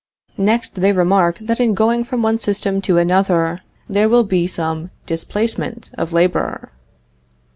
Next they remark that in going from one system to another there will be some displacement of labor.